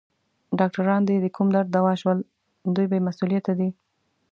ډاکټران دي د کوم درد دوا شول؟ دوی بې مسؤلیته دي.